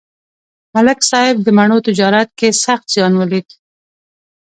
ملک صاحب د مڼو تجارت کې سخت زیان ولید.